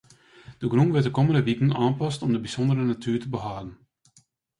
De grûn wurdt de kommende wiken oanpast om de bysûndere natoer te behâlden.